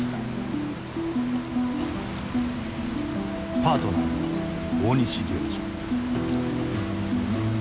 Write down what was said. パートナーの大西良治。